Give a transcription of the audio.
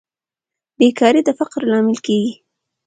بیکاري د فقر لامل کیږي